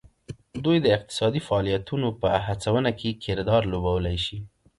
دوی د اقتصادي فعالیتونو په هڅونه کې کردار لوبولی شي